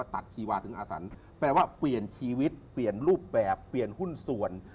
ชีวาถึงอาสันแปลว่าเปลี่ยนชีวิตเปลี่ยนรูปแบบเปลี่ยนหุ้นส่วน